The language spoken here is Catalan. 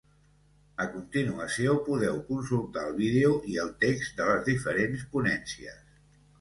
A continuació podeu consultar el vídeo i el text de les diferents ponències.